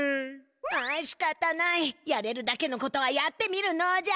あしかたないやれるだけのことはやってみるのじゃ。